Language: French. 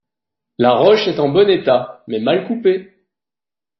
La roche est en bon état, mais mal coupée.